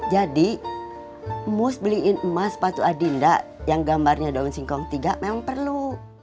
jadi emus beliin emas sepatu adinda yang gambarnya daun singkong tiga memang perlu